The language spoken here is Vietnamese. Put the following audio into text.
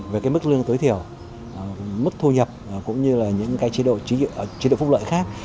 về cái mức lương tối thiểu mức thu nhập cũng như là những cái chế độ phúc lợi khác